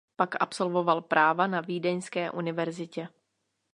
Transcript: Pak absolvoval práva na Vídeňské univerzitě.